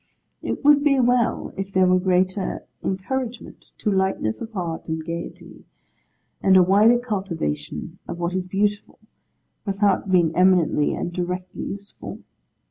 It would be well, if there were greater encouragement to lightness of heart and gaiety, and a wider cultivation of what is beautiful, without being eminently and directly useful.